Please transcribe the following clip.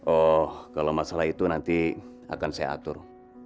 oh kalau masalah itu nanti akan saya atur